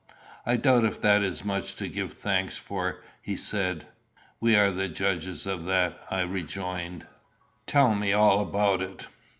"I doubt if that is much to give thanks for," he said. "We are the judges of that," I rejoined. "Tell me all about it."